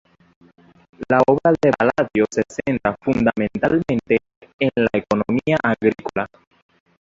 La obra de Paladio se centra fundamentalmente en la economía agrícola.